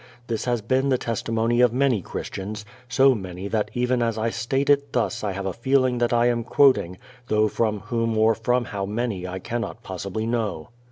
This has been the testimony of many Christians, so many that even as I state it thus I have a feeling that I am quoting, though from whom or from how many I cannot possibly know.